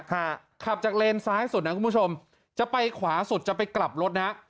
ขับจากเลนซ้ายสุดนะคุณผู้ชมจะไปขวาสุดจะไปกลับรถนะฮะ